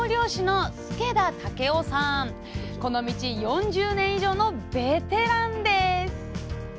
この道４０年以上のベテランです。